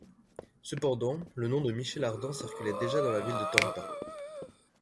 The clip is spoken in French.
Cependant le nom de Michel Ardan circulait déjà dans la ville de Tampa.